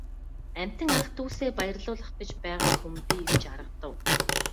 Амьтан ах дүүсээ баярлуулах гэж байгаа хүн би гэж аргадав.